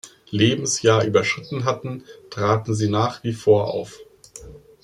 Lebensjahr überschritten hatten, traten sie nach wie vor auf.